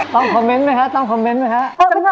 ต้องคอมเม้นช์ไหมคะต้องคอมเม้ซ์ไหมคะ